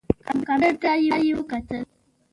کمپیوټر ته یې وکتل.